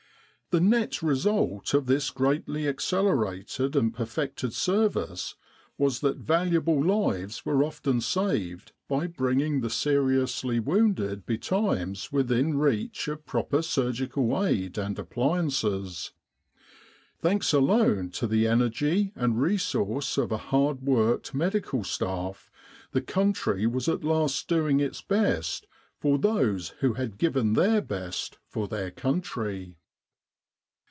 The net result of this greatly accelerated and per fected service was that valuable lives were often saved by bringing the seriously wounded betimes within reach of proper surgical aid and appliances. Thanks El Arish Maghdaba Rafa alone to the energy and resource of a hard worked Medical Staff, the country was at last doing its best for those who had given their best for their country.